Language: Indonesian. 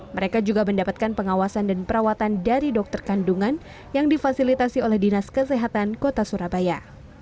mereka juga mendapatkan pengawasan dan perawatan dari dokter kandungan yang difasilitasi oleh dinas kesehatan kota surabaya